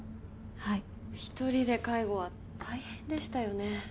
はい一人で介護は大変でしたよね